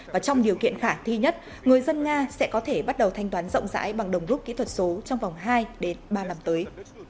và trong điều kiện khả thi nhất người dân nga sẽ có thể bắt đầu thanh toán rộng rãi bằng đồng rút kỹ thuật số trong vòng hai ba năm tới